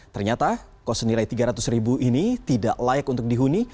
ternyata kos senilai tiga ratus ribu ini tidak layak untuk dihuni